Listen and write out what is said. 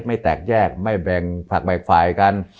ไม่แตกแยกไม่แบงผลักใหม่ขวายกัน